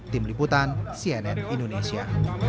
tim liputan cnn indonesia